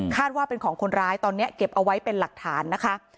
ว่าเป็นของคนร้ายตอนนี้เก็บเอาไว้เป็นหลักฐานนะคะ